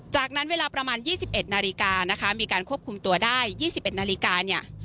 จากนั้นเวลาประมาณยี่สิบเอ็ดนาฬิกานะคะมีการควบคุมตัวได้ยี่สิบเอ็ดนาฬิกาเนี้ย